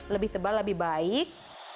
lebih tebal lebih baik